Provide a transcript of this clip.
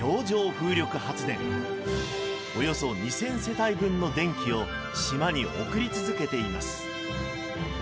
およそ２，０００世帯分の電気を島に送り続けています。